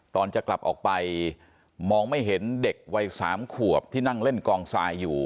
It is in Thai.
ตอนจะกลับออกไปมองไม่เห็นเด็กวัย๓ขวบที่นั่งเล่นกองทรายอยู่